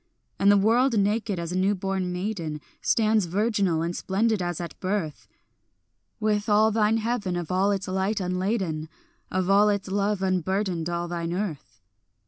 And the world naked as a new born maiden Stands virginal and splendid as at birth, With all thine heaven of all its light unladen, Of all its love unburdened all thine earth.